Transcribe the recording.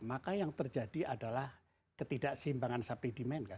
maka yang terjadi adalah ketidakseimbangan supply demand kan